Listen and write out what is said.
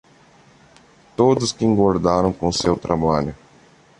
Todos que engordaram com o seu trabalho!